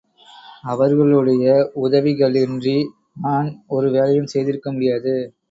அவர்களுடைய உதவிகளின்றி நான் ஒரு வேலையும் செய்திருக்க முடியாது.